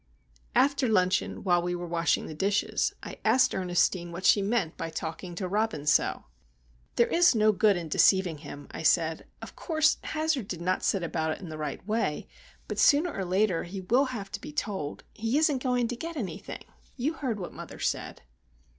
After luncheon, while we were washing the dishes, I asked Ernestine what she meant by talking to Robin so. "There is no good in deceiving him," I said. "Of course, Hazard did not set about it in the right way, but sooner or later he will have to be told. He isn't going to get anything. You heard what mother said."